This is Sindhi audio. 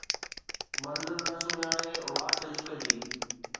منزل نه سڃاڻي، واٽ عشق جي